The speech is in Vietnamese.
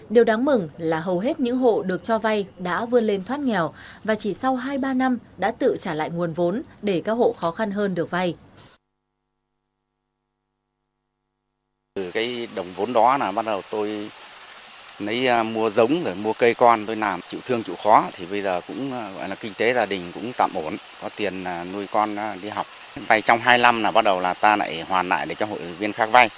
điều đáng mừng là hầu hết những hộ được cho vay đã vươn lên thoát nghèo và chỉ sau hai ba năm đã tự trả lại nguồn vốn để các hộ khó khăn hơn được vay